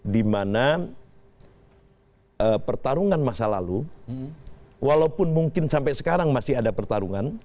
dimana pertarungan masa lalu walaupun mungkin sampai sekarang masih ada pertarungan